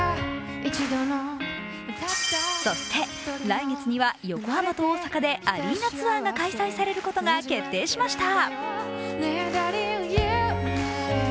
そして来月には横浜と大阪でアリーナツアーが開催されることが決定しました